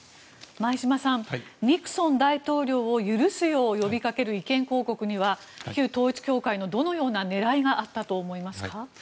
前嶋さんニクソン大統領を許すよう呼びかける意見広告には旧統一教会のどのような狙いがあったと思いますか？